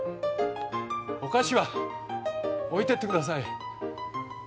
お菓子は置いてって下さい。